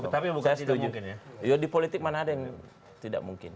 tapi bukan tidak mungkin ya ya di politik mana yang mungkin ya